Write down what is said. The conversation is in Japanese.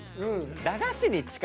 駄菓子に近いね。